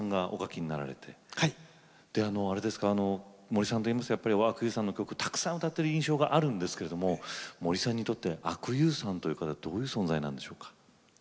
森さんといいますとやっぱり阿久悠さんの曲たくさん歌ってる印象があるんですけれども森さんにとって阿久悠さんという方はどういう存在なんでしょうか？